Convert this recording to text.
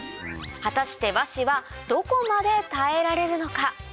果たして和紙はどこまで耐えられるのか？